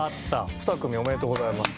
２組おめでとうございます。